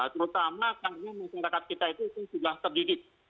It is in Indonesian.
terutama karena masyarakat kita itu sudah terdidik